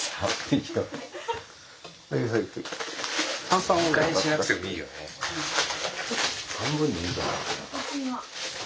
全開にしなくてもいいよね。